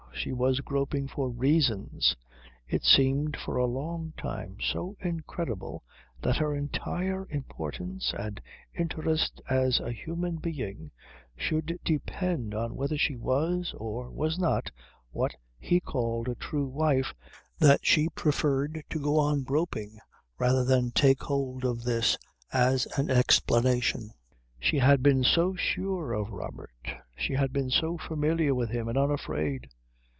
She was groping for reasons. It seemed for a long time so incredible that her entire importance and interest as a human being should depend on whether she was or was not what he called a true wife that she preferred to go on groping rather than take hold of this as an explanation. She had been so sure of Robert. She had been so familiar with him and unafraid.